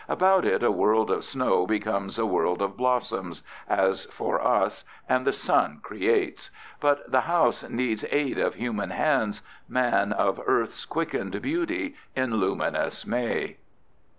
About it a world of snow becomes a world of blossoms, as for us, and the sun creates. But the house needs aid of human hands, man of earth's quickened beauty in luminous May.